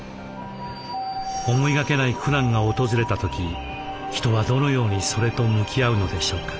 思いがけない苦難が訪れた時人はどのようにそれと向き合うのでしょうか。